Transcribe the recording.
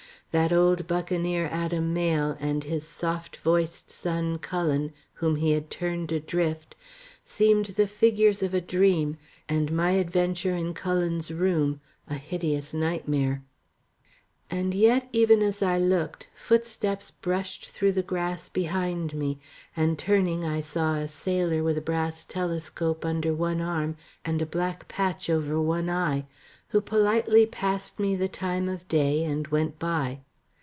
That old buccaneer Adam Mayle, and his soft voiced son Cullen, whom he had turned adrift, seemed the figures of a dream and my adventure in Cullen's room a hideous nightmare. And yet even as I looked footsteps brushed through the grass behind me, and turning I saw a sailor with a brass telescope under one arm and a black patch over one eye; who politely passed me the time of day and went by.